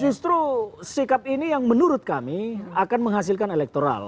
justru sikap ini yang menurut kami akan menghasilkan elektoral